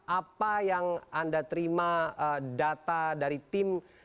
apa yang anda terima data dari tim